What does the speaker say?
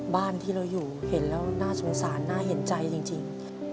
บ้านที่เราอยู่เห็นแล้วน่าสงสารน่าเห็นใจจริง